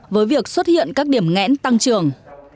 với việc xuất hiện các điểm ngẽn tăng trưởng